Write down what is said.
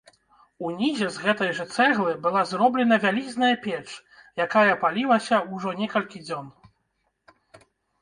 Унізе з гэтай жа цэглы была зроблена вялізная печ, якая палілася ўжо некалькі дзён.